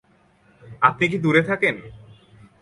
আপনি কি দূরে থাকেন?